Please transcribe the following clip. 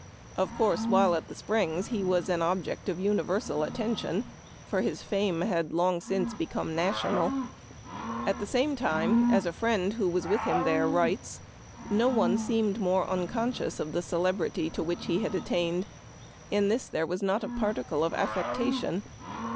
Of course, while at the Springs he was an object of universal attention, for his fame had long since become national. At the same time, as a friend who was with him there writes, " No one seemed more unconscious of the celebrity to which he had attained. In this there was not a particle of affectation.